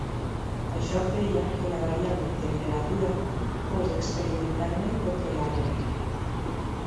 Això feia que la variable "temperatura" fos experimentalment controlable.